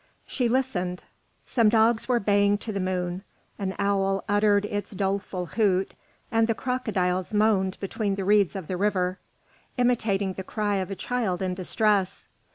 She listened; some dogs were baying to the moon, an owl uttered its doleful hoot, and the crocodiles moaned between the reeds of the river, imitating the cry of a child in distress.